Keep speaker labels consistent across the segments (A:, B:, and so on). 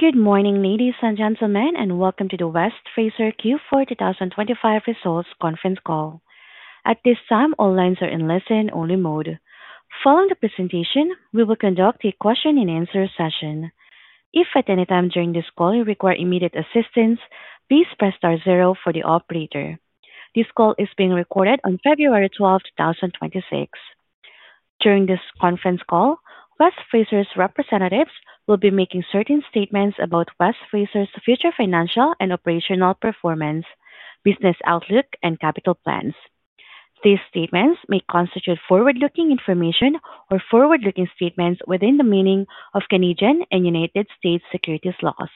A: Good morning, ladies and gentlemen, and welcome to the West Fraser Q4 2025 results conference call. At this time, all lines are in listen-only mode. Following the presentation, we will conduct a question-and-answer session. If at any time during this call you require immediate assistance, please press star zero for the operator. This call is being recorded on February 12, 2026. During this conference call, West Fraser's representatives will be making certain statements about West Fraser's future financial and operational performance, business outlook, and capital plans. These statements may constitute forward-looking information or forward-looking statements within the meaning of Canadian and United States securities laws.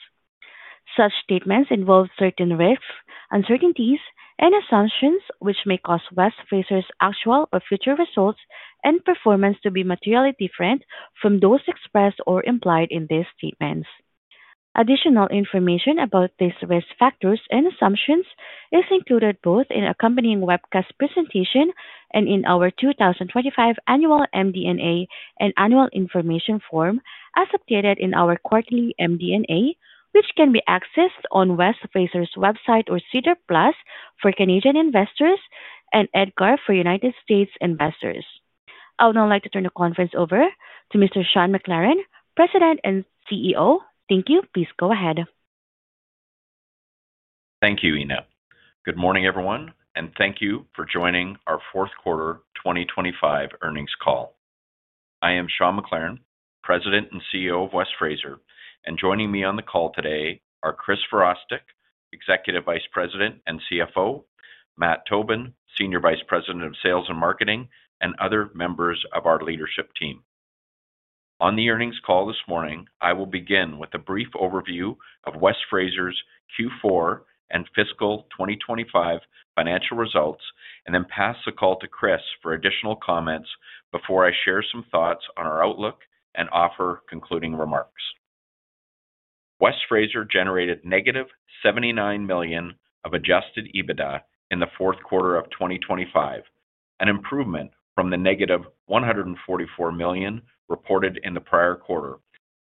A: Such statements involve certain risks, uncertainties, and assumptions, which may cause West Fraser's actual or future results and performance to be materially different from those expressed or implied in these statements. Additional information about these risk factors and assumptions is included both in accompanying webcast presentation and in our 2025 annual MD&A and annual information form as updated in our quarterly MD&A, which can be accessed on West Fraser's website or SEDAR+ for Canadian investors and EDGAR for United States investors. I would now like to turn the conference over to Mr. Sean McLaren, President and CEO. Thank you. Please go ahead.
B: Thank you, Mina. Good morning, everyone, and thank you for joining our Q4 2025 earnings call. I am Sean McLaren, President and CEO of West Fraser, and joining me on the call today are Chris Virostek, Executive Vice President and CFO, Matt Tobin, Senior Vice President of Sales and Marketing, and other members of our leadership team. On the earnings call this morning, I will begin with a brief overview of West Fraser's Q4 and fiscal 2025 financial results, and then pass the call to Chris for additional comments before I share some thoughts on our outlook and offer concluding remarks. West Fraser generated -$79 million of adjusted EBITDA in the fourth quarter of 2025, an improvement from the -$144 million reported in the prior quarter,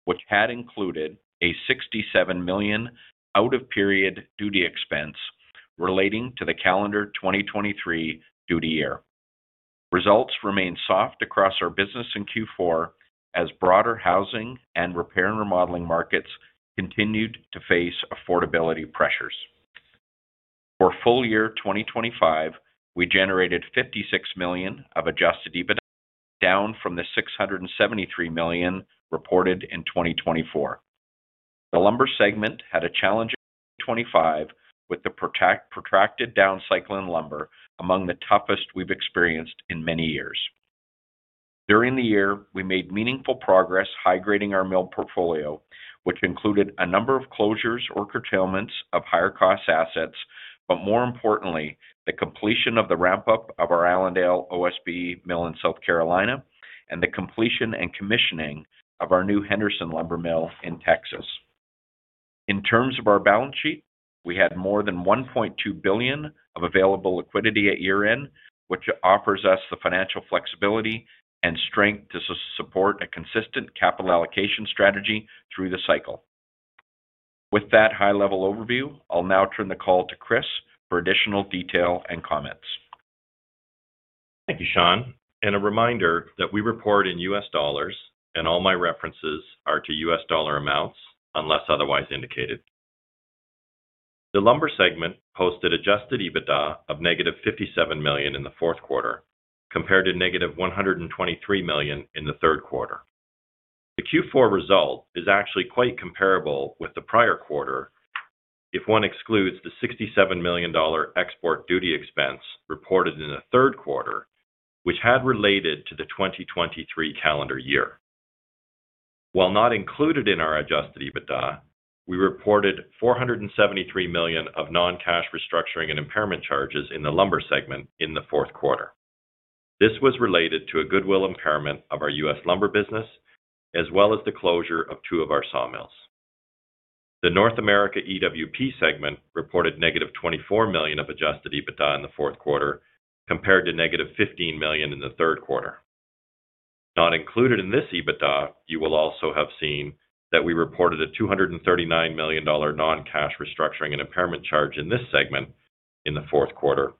B: which had included a $67 million out-of-period duty expense relating to the calendar 2023 duty year. Results remained soft across our business in Q4 as broader housing and repair and remodeling markets continued to face affordability pressures. For full year 2025, we generated $56 million of adjusted EBITDA, down from the $673 million reported in 2024. The lumber segment had a challenging 2025, with the protracted down cycle in lumber among the toughest we've experienced in many years. During the year, we made meaningful progress high-grading our mill portfolio, which included a number of closures or curtailments of higher-cost assets, but more importantly, the completion of the ramp-up of our Allendale OSB mill in South Carolina and the completion and commissioning of our new Henderson lumber mill in Texas. In terms of our balance sheet, we had more than $1.2 billion of available liquidity at year-end, which offers us the financial flexibility and strength to support a consistent capital allocation strategy through the cycle. With that high-level overview, I'll now turn the call to Chris for additional detail and comments.
C: Thank you, Sean, and a reminder that we report in U.S. dollars and all my references are to U.S. dollar amounts unless otherwise indicated. The lumber segment posted adjusted EBITDA of negative $57 million in the fourth quarter, compared to negative $123 million in the third quarter. The Q4 result is actually quite comparable with the prior quarter if one excludes the $67 million dollar export duty expense reported in the third quarter, which had related to the 2023 calendar year. While not included in our adjusted EBITDA, we reported $473 million of non-cash restructuring and impairment charges in the lumber segment in the fourth quarter. This was related to a goodwill impairment of our U.S. lumber business, as well as the closure of two of our sawmills. The North America EWP segment reported negative $24 million of adjusted EBITDA in the fourth quarter, compared to negative $15 million in the third quarter. Not included in this EBITDA, you will also have seen that we reported a $239 million non-cash restructuring and impairment charge in this segment in the fourth quarter,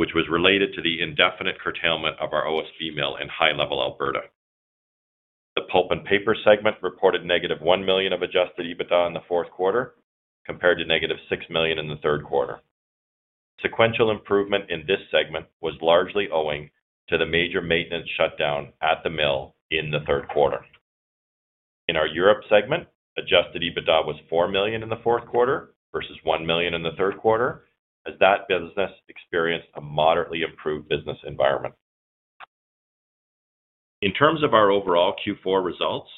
C: which was related to the indefinite curtailment of our OSB mill in High Level, Alberta. The pulp and paper segment reported negative $1 million of adjusted EBITDA in the fourth quarter, compared to negative $6 million in the third quarter. Sequential improvement in this segment was largely owing to the major maintenance shutdown at the mill in the third quarter. In our Europe segment, adjusted EBITDA was $4 million in the fourth quarter versus $1 million in the third quarter, as that business experienced a moderately improved business environment. In terms of our overall Q4 results,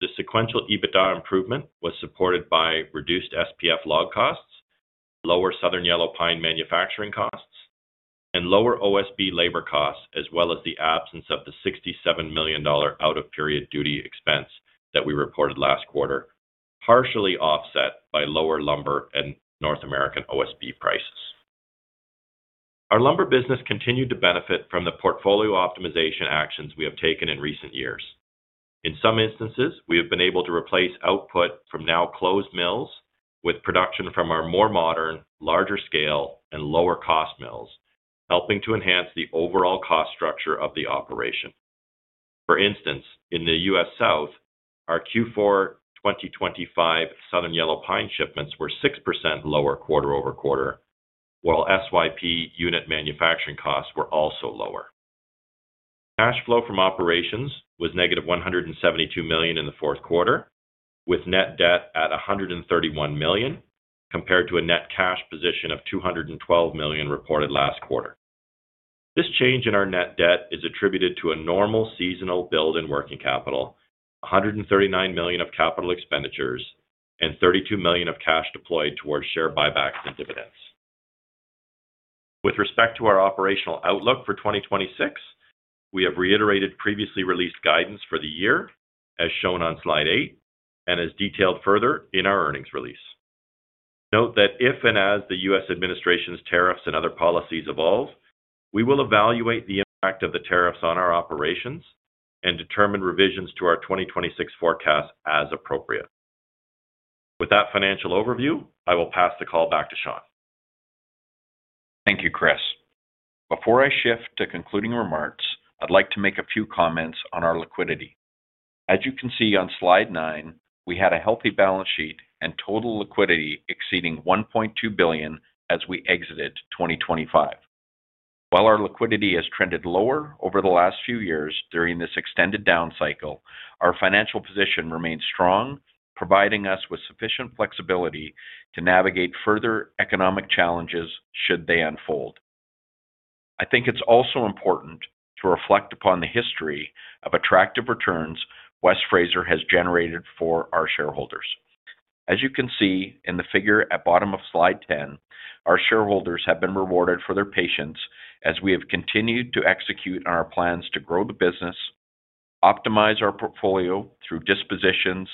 C: the sequential EBITDA improvement was supported by reduced SPF log costs, lower southern yellow pine manufacturing costs, and lower OSB labor costs, as well as the absence of the $67 million out-of-period duty expense that we reported last quarter, partially offset by lower lumber and North American OSB prices. ... Our lumber business continued to benefit from the portfolio optimization actions we have taken in recent years. In some instances, we have been able to replace output from now-closed mills with production from our more modern, larger scale, and lower-cost mills, helping to enhance the overall cost structure of the operation. For instance, in the U.S. South, our Q4 2025 southern yellow pine shipments were 6% lower quarter-over-quarter, while SYP unit manufacturing costs were also lower. Cash flow from operations was negative $172 million in the fourth quarter, with net debt at $131 million, compared to a net cash position of $212 million reported last quarter. This change in our net debt is attributed to a normal seasonal build in working capital, $139 million of capital expenditures, and $32 million of cash deployed towards share buybacks and dividends. With respect to our operational outlook for 2026, we have reiterated previously released guidance for the year, as shown on slide eight and as detailed further in our earnings release. Note that if and as the U.S. administration's tariffs and other policies evolve, we will evaluate the impact of the tariffs on our operations and determine revisions to our 2026 forecast as appropriate. With that financial overview, I will pass the call back to Sean.
B: Thank you, Chris. Before I shift to concluding remarks, I'd like to make a few comments on our liquidity. As you can see on slide nine, we had a healthy balance sheet and total liquidity exceeding $1.2 billion as we exited 2025. While our liquidity has trended lower over the last few years during this extended down cycle, our financial position remains strong, providing us with sufficient flexibility to navigate further economic challenges should they unfold. I think it's also important to reflect upon the history of attractive returns West Fraser has generated for our shareholders. As you can see in the figure at bottom of slide 10, our shareholders have been rewarded for their patience as we have continued to execute on our plans to grow the business, optimize our portfolio through dispositions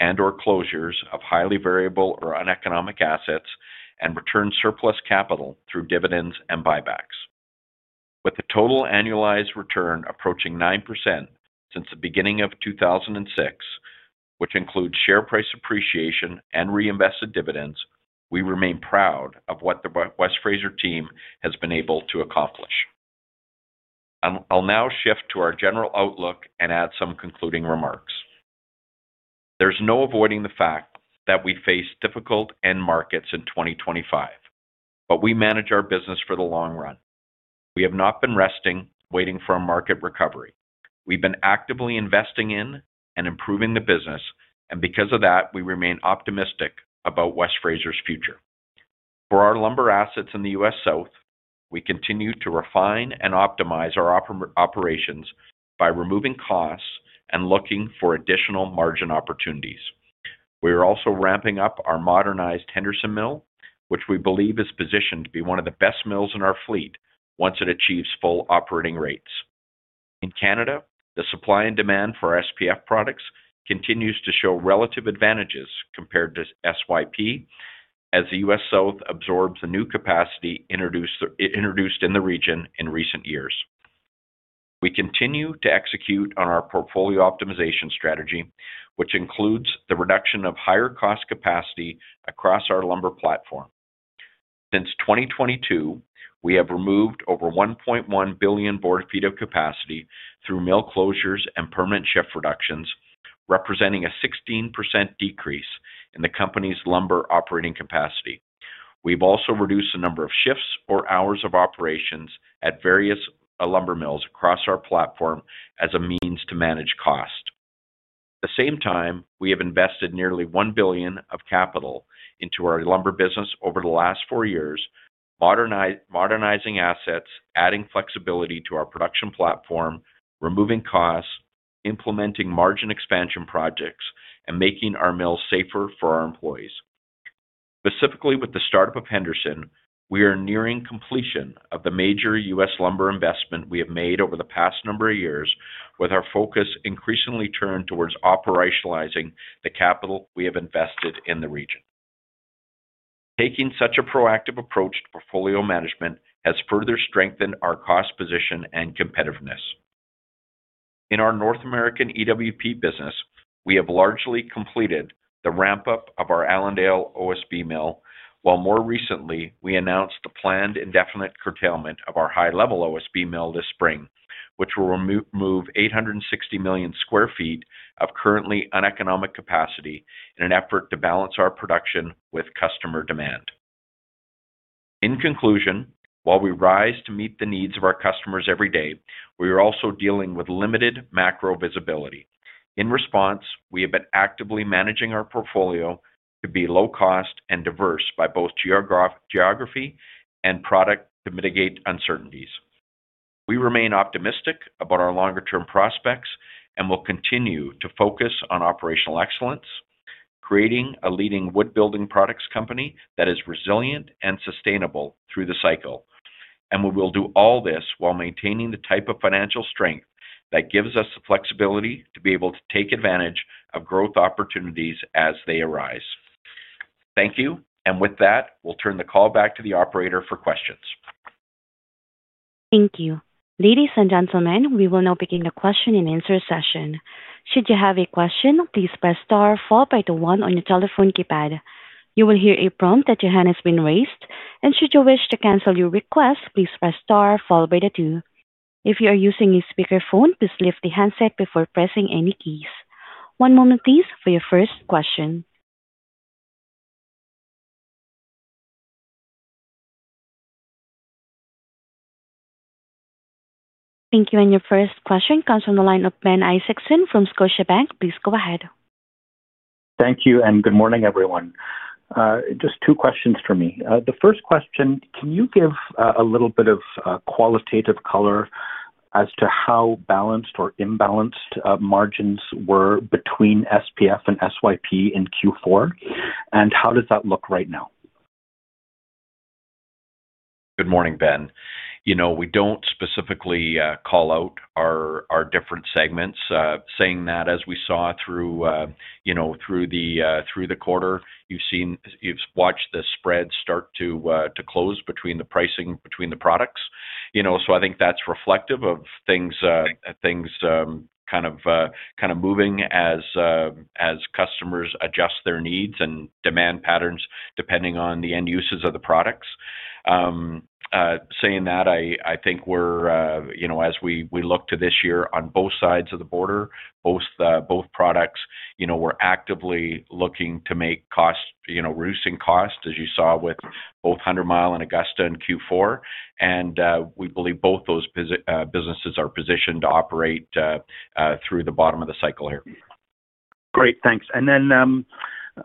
B: and/or closures of highly variable or uneconomic assets, and return surplus capital through dividends and buybacks. With the total annualized return approaching 9% since the beginning of 2006, which includes share price appreciation and reinvested dividends, we remain proud of what the West Fraser team has been able to accomplish. I'll now shift to our general outlook and add some concluding remarks. There's no avoiding the fact that we face difficult end markets in 2025, but we manage our business for the long run. We have not been resting, waiting for a market recovery. We've been actively investing in and improving the business, and because of that, we remain optimistic about West Fraser's future. For our lumber assets in the U.S. South, we continue to refine and optimize our operations by removing costs and looking for additional margin opportunities. We are also ramping up our modernized Henderson Mill, which we believe is positioned to be one of the best mills in our fleet once it achieves full operating rates. In Canada, the supply and demand for SPF products continues to show relative advantages compared to SYP as the U.S. South absorbs the new capacity introduced, introduced in the region in recent years. We continue to execute on our portfolio optimization strategy, which includes the reduction of higher-cost capacity across our lumber platform. Since 2022, we have removed over 1.1 billion board feet of capacity through mill closures and permanent shift reductions, representing a 16% decrease in the company's lumber operating capacity. We've also reduced the number of shifts or hours of operations at various lumber mills across our platform as a means to manage cost. At the same time, we have invested nearly $1 billion of capital into our lumber business over the last four years, modernizing assets, adding flexibility to our production platform, removing costs, implementing margin expansion projects, and making our mills safer for our employees. Specifically, with the startup of Henderson, we are nearing completion of the major U.S. lumber investment we have made over the past number of years, with our focus increasingly turned towards operationalizing the capital we have invested in the region. Taking such a proactive approach to portfolio management has further strengthened our cost position and competitiveness. In our North American EWP business, we have largely completed the ramp-up of our Allendale OSB mill, while more recently, we announced the planned indefinite curtailment of our High Level OSB mill this spring, which will remove 860 million sq. ft. of currently uneconomic capacity in an effort to balance our production with customer demand. In conclusion, while we rise to meet the needs of our customers every day, we are also dealing with limited macro visibility. In response, we have been actively managing our portfolio to be low cost and diverse by both geography and product to mitigate uncertainties. We remain optimistic about our longer-term prospects and will continue to focus on operational excellence, creating a leading wood-building products company that is resilient and sustainable through the cycle. We will do all this while maintaining the type of financial strength that gives us the flexibility to be able to take advantage of growth opportunities as they arise.... Thank you. With that, we'll turn the call back to the operator for questions.
A: Thank you. Ladies and gentlemen, we will now begin the question-and-answer session. Should you have a question, please press star followed by the one on your telephone keypad. You will hear a prompt that your hand has been raised, and should you wish to cancel your request, please press star followed by the two. If you are using a speakerphone, please lift the handset before pressing any keys. One moment, please, for your first question. Thank you. Your first question comes from the line of Ben Isaacson from Scotiabank. Please go ahead.
D: Thank you, and good morning, everyone. Just two questions for me. The first question, can you give a little bit of qualitative color as to how balanced or imbalanced margins were between SPF and SYP in Q4, and how does that look right now?
B: Good morning, Ben. You know, we don't specifically call out our different segments, saying that as we saw through, you know, through the quarter, you've seen—you've watched the spread start to close between the pricing between the products. You know, so I think that's reflective of things, things kind of moving as customers adjust their needs and demand patterns, depending on the end uses of the products. Saying that, I think we're, you know, as we look to this year on both sides of the border, both products, you know, we're actively looking to make costs, you know, reducing costs, as you saw with both 100 Mile and Augusta in Q4, and we believe both those businesses are positioned to operate through the bottom of the cycle here.
D: Great, thanks. And then,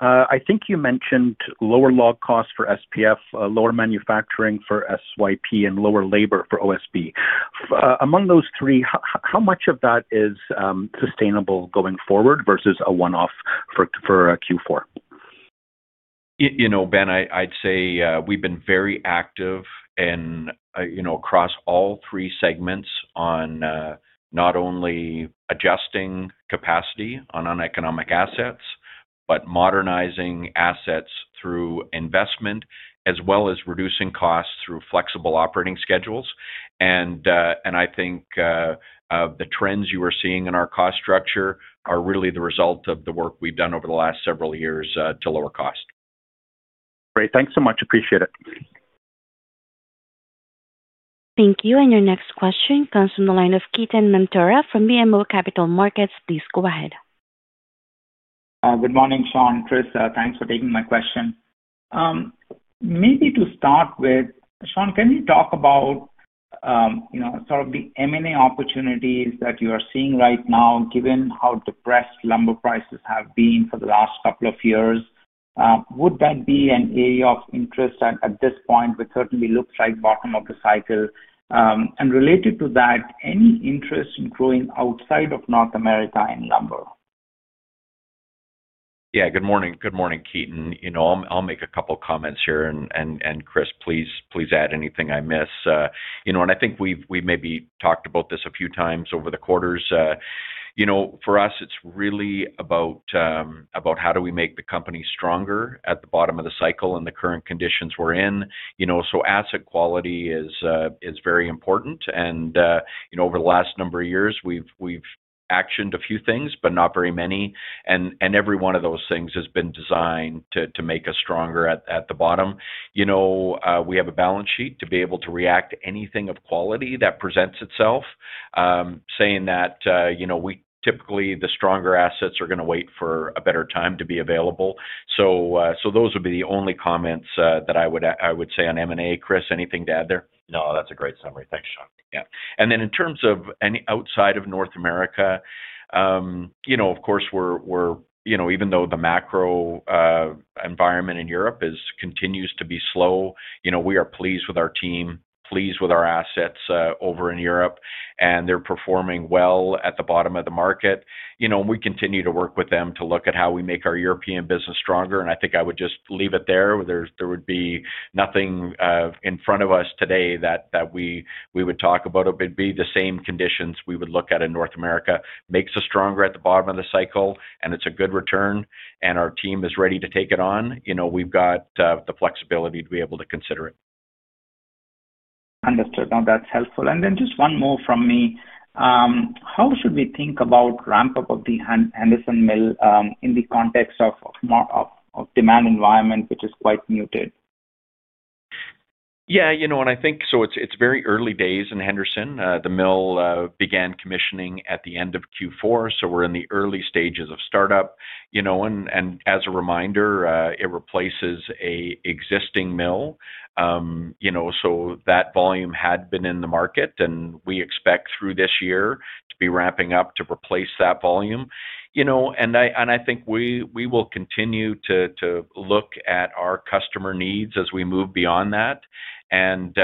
D: I think you mentioned lower log costs for SPF, lower manufacturing for SYP and lower labor for OSB. Among those three, how much of that is sustainable going forward versus a one-off for Q4?
B: You know, Ben, I, I'd say, we've been very active and, you know, across all three segments on, not only adjusting capacity on uneconomic assets, but modernizing assets through investment, as well as reducing costs through flexible operating schedules. And I think, the trends you are seeing in our cost structure are really the result of the work we've done over the last several years, to lower cost.
D: Great. Thanks so much. Appreciate it.
A: Thank you. Your next question comes from the line of Ketan Mamtora from BMO Capital Markets. Please go ahead.
E: Good morning, Sean, Chris, thanks for taking my question. Maybe to start with, Sean, can you talk about, you know, sort of the M&A opportunities that you are seeing right now, given how depressed lumber prices have been for the last couple of years? Would that be an area of interest at this point, which certainly looks like bottom of the cycle? And related to that, any interest in growing outside of North America in lumber?
B: Yeah. Good morning. Good morning, Ketan. You know, I'll make a couple comments here, and Chris, please add anything I miss. You know, I think we've maybe talked about this a few times over the quarters. You know, for us, it's really about how do we make the company stronger at the bottom of the cycle and the current conditions we're in. You know, so asset quality is very important, and you know, over the last number of years, we've actioned a few things, but not very many. And every one of those things has been designed to make us stronger at the bottom. You know, we have a balance sheet to be able to react to anything of quality that presents itself. Saying that, you know, we typically the stronger assets are gonna wait for a better time to be available. So, those would be the only comments that I would say on M&A. Chris, anything to add there?
C: No, that's a great summary. Thanks, Sean.
B: Yeah. And then in terms of any outside of North America, you know, of course, we're you know, even though the macro environment in Europe continues to be slow, you know, we are pleased with our team, pleased with our assets over in Europe, and they're performing well at the bottom of the market. You know, we continue to work with them to look at how we make our European business stronger, and I think I would just leave it there. There would be nothing in front of us today that we would talk about. It would be the same conditions we would look at in North America. Makes us stronger at the bottom of the cycle, and it's a good return, and our team is ready to take it on. You know, we've got the flexibility to be able to consider it.
E: Understood. Now, that's helpful. And then just one more from me. How should we think about ramp-up of the Henderson Mill, in the context of more of a demand environment, which is quite muted?
B: Yeah, you know, and I think so it's very early days in Henderson. The mill began commissioning at the end of Q4, so we're in the early stages of startup, you know. And as a reminder, it replaces a existing mill. You know, so that volume had been in the market, and we expect through this year to be ramping up to replace that volume. You know, and I think we will continue to look at our customer needs as we move beyond that, and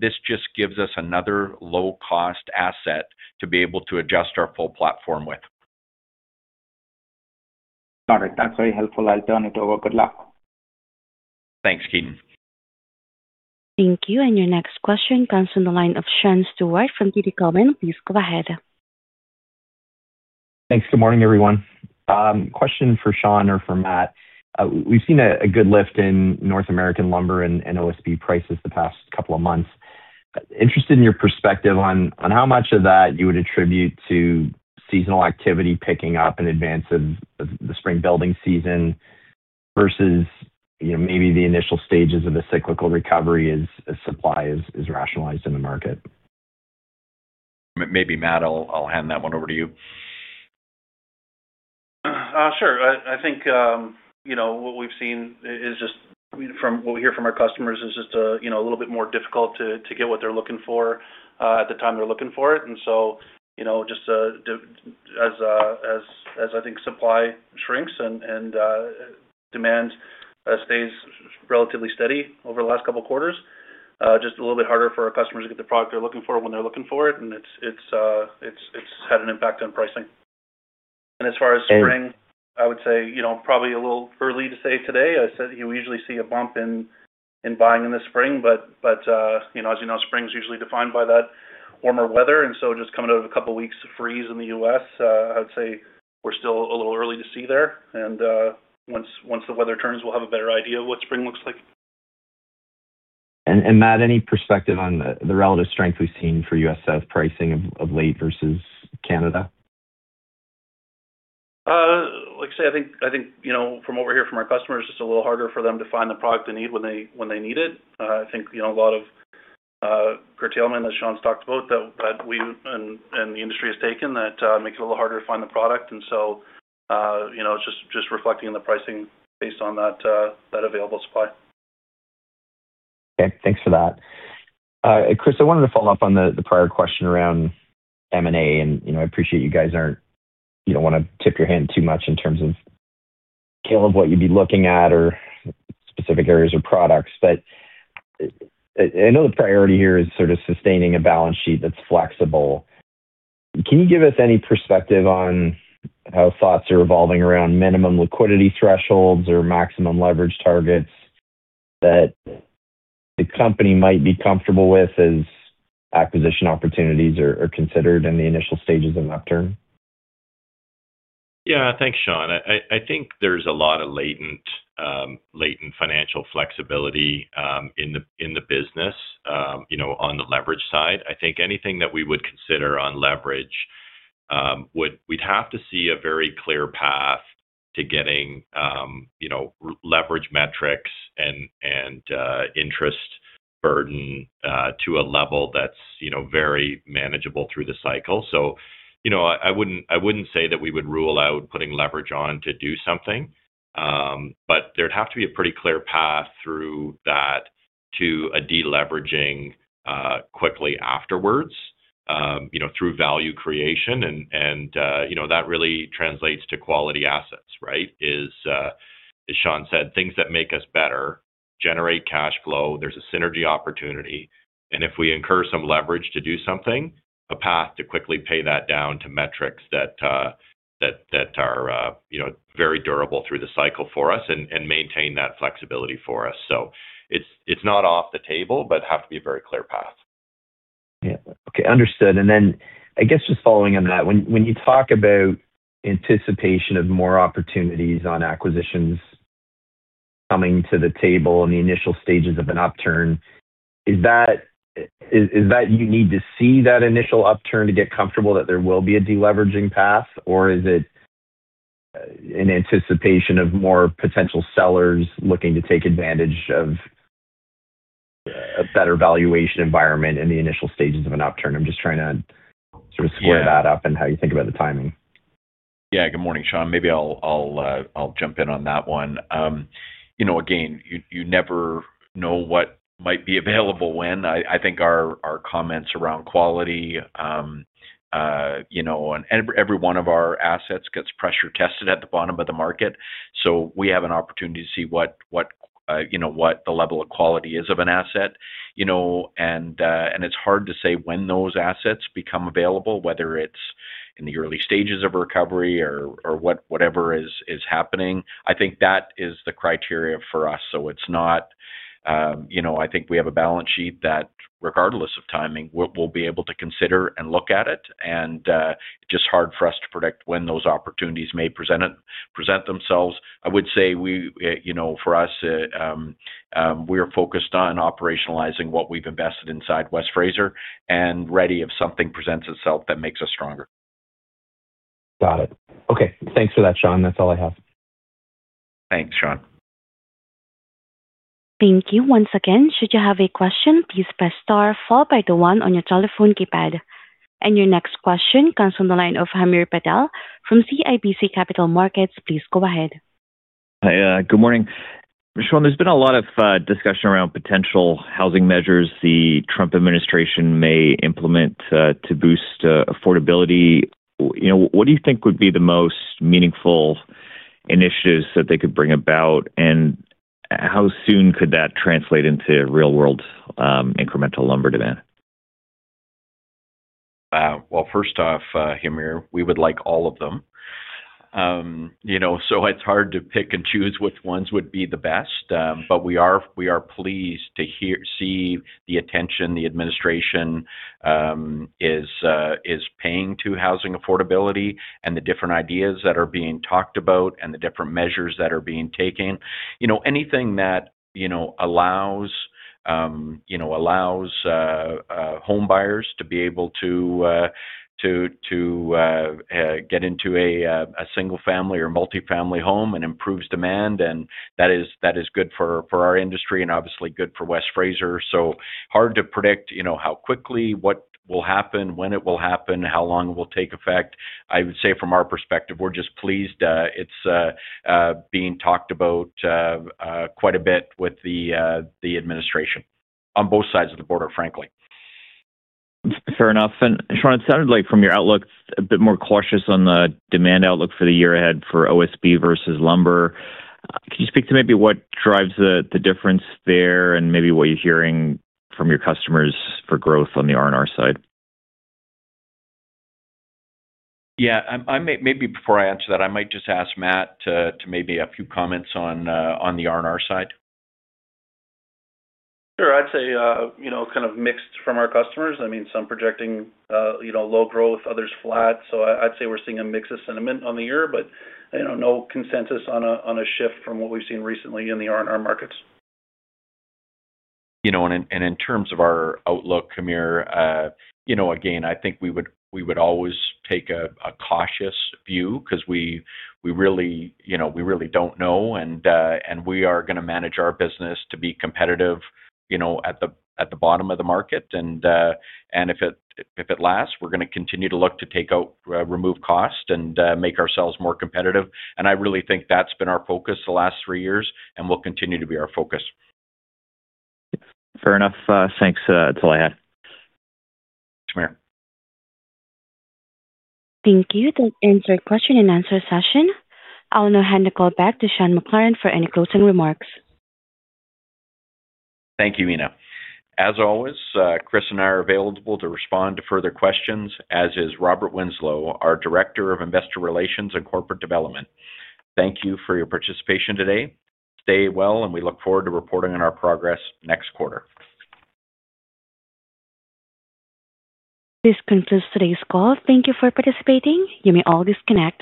B: this just gives us another low-cost asset to be able to adjust our full platform with.
E: Got it. That's very helpful. I'll turn it over. Good luck.
B: Thanks, Ketan.
A: Thank you, and your next question comes on the line of Sean Steuart from TD Cowen. Please go ahead. ...
F: Thanks. Good morning, everyone. Question for Sean or for Matt. We've seen a good lift in North American lumber and OSB prices the past couple of months. Interested in your perspective on how much of that you would attribute to seasonal activity picking up in advance of the spring building season versus, you know, maybe the initial stages of a cyclical recovery as supply is rationalized in the market?
B: Maybe Matt, I'll hand that one over to you.
G: Sure. I think you know what we've seen is just from what we hear from our customers is just you know a little bit more difficult to get what they're looking for at the time they're looking for it. And so you know just as I think supply shrinks and demand stays relatively steady over the last couple of quarters just a little bit harder for our customers to get the product they're looking for when they're looking for it. And it's had an impact on pricing. And as far as spring I would say you know probably a little early to say today. I said you usually see a bump in buying in the spring, but you know, as you know, spring is usually defined by that warmer weather, and so just coming out of a couple of weeks of freeze in the U.S., I'd say we're still a little early to see there. And once the weather turns, we'll have a better idea of what spring looks like.
F: Matt, any perspective on the relative strength we've seen for U.S. South pricing of late versus Canada?
G: Like I say, I think, I think, you know, from what we hear from our customers, it's a little harder for them to find the product they need when they, when they need it. I think, you know, a lot of curtailment that Sean's talked about, that, that we and, and the industry has taken that makes it a little harder to find the product. And so, you know, just, just reflecting on the pricing based on that, that available supply.
F: Okay. Thanks for that. Chris, I wanted to follow up on the prior question around M&A, and, you know, I appreciate you guys aren't—you don't wanna tip your hand too much in terms of scale of what you'd be looking at or specific areas or products, but I, I know the priority here is sort of sustaining a balance sheet that's flexible. Can you give us any perspective on how thoughts are revolving around minimum liquidity thresholds or maximum leverage targets that the company might be comfortable with as acquisition opportunities are considered in the initial stages of an upturn?
C: Yeah. Thanks, Sean. I think there's a lot of latent financial flexibility in the business. You know, on the leverage side, I think anything that we would consider on leverage would, we'd have to see a very clear path to getting, you know, leverage metrics and interest burden to a level that's very manageable through the cycle. So, you know, I wouldn't say that we would rule out putting leverage on to do something, but there'd have to be a pretty clear path through that to a deleveraging quickly afterwards, you know, through value creation and that really translates to quality assets, right? It's, as Sean said, things that make us better generate cash flow, there's a synergy opportunity, and if we incur some leverage to do something, a path to quickly pay that down to metrics that are, you know, very durable through the cycle for us and maintain that flexibility for us. So it's not off the table, but have to be a very clear path.
F: Yeah. Okay, understood. Then I guess just following on that, when you talk about anticipation of more opportunities on acquisitions coming to the table in the initial stages of an upturn, is that you need to see that initial upturn to get comfortable that there will be a deleveraging path? Or is it in anticipation of more potential sellers looking to take advantage of a better valuation environment in the initial stages of an upturn? I'm just trying to sort of square that up-
B: Yeah
F: and how you think about the timing.
B: Yeah. Good morning, Sean. Maybe I'll jump in on that one. You know, again, you never know what might be available when. I think our comments around quality, you know, and every one of our assets gets pressure tested at the bottom of the market, so we have an opportunity to see what you know, what the level of quality is of an asset, you know? And it's hard to say when those assets become available, whether it's in the early stages of a recovery or whatever is happening. I think that is the criteria for us. So it's not... You know, I think we have a balance sheet that, regardless of timing, we'll be able to consider and look at it, and just hard for us to predict when those opportunities may present themselves. I would say we, you know, for us, we're focused on operationalizing what we've invested inside West Fraser and ready if something presents itself that makes us stronger.
F: Got it. Okay. Thanks for that, Sean. That's all I have.
B: Thanks, Sean.
A: Thank you. Once again, should you have a question, please press star followed by the one on your telephone keypad. Your next question comes from the line of Hamir Patel from CIBC Capital Markets. Please go ahead.
H: Hi, good morning. Sean, there's been a lot of discussion around potential housing measures the Trump administration may implement to boost affordability. You know, what do you think would be the most meaningful initiatives that they could bring about, and how soon could that translate into real-world incremental lumber demand?
B: Well, first off, Hamir, we would like all of them. You know, so it's hard to pick and choose which ones would be the best. But we are pleased to see the attention the administration is paying to housing affordability and the different ideas that are being talked about and the different measures that are being taken. You know, anything that, you know, allows, you know, allows homebuyers to be able to, to get into a single-family or multifamily home and improves demand, and that is good for our industry and obviously good for West Fraser. So hard to predict, you know, how quickly, what will happen, when it will happen, how long it will take effect. I would say from our perspective, we're just pleased, it's being talked about quite a bit with the, the administration on both sides of the border, frankly.
H: Fair enough. And, Sean, it sounded like from your outlook, a bit more cautious on the demand outlook for the year ahead for OSB versus lumber. Can you speak to maybe what drives the difference there and maybe what you're hearing from your customers for growth on the R&R side?
B: Yeah, maybe before I answer that, I might just ask Matt to maybe a few comments on the R&R side.
G: Sure. I'd say, you know, kind of mixed from our customers. I mean, some projecting, you know, low growth, others flat. So I'd say we're seeing a mix of sentiment on the year, but, you know, no consensus on a shift from what we've seen recently in the R&R markets.
B: You know, and in, and in terms of our outlook, Hamir, you know, again, I think we would, we would always take a, a cautious view because we, we really, you know, we really don't know, and, and we are gonna manage our business to be competitive, you know, at the, at the bottom of the market. And, and if it, if it lasts, we're gonna continue to look to take out, remove cost and, make ourselves more competitive. And I really think that's been our focus the last three years, and will continue to be our focus.
H: Fair enough. Thanks. That's all I had.
B: Hamir.
A: Thank you. That ends our question and answer session. I'll now hand the call back to Sean McLaren for any closing remarks.
B: Thank you, Mina. As always, Chris and I are available to respond to further questions, as is Robert Winslow, our Director of Investor Relations and Corporate Development. Thank you for your participation today. Stay well, and we look forward to reporting on our progress next quarter.
A: This concludes today's call. Thank you for participating. You may all disconnect.